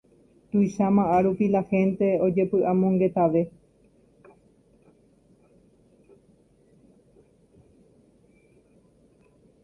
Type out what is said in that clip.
tuicháma árupi la hente ojepy'amongetave